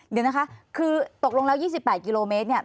เดี๋ยวนะคะคือตกลงแล้ว๒๘กิโลเมตรเนี่ย